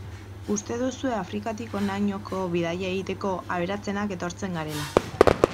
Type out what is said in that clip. Uste duzue Afrikatik honainoko bidaia egiteko, aberatsenak etortzen garela.